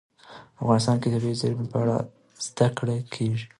افغانستان کې د طبیعي زیرمې په اړه زده کړه کېږي.